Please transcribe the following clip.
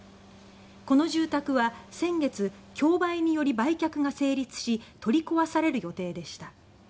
この住宅は先月競売により売却が成立し取り壊される予定でした。